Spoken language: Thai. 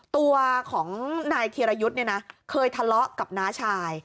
ตัวของนายเทียรายุดเคยทะเลาะกับน้าชาย